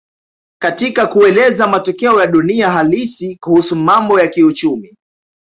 Katika kueleza matokeo ya dunia halisi kuhusu mambo ya kiuchumi